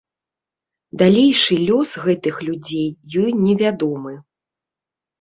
Далейшы лёс гэтых людзей ёй невядомы.